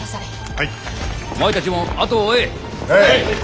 はい。